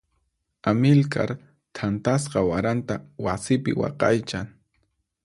Amilcar thantasqa waranta wasipi waqaychan.